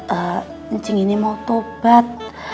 ehm ncing ini mau tobat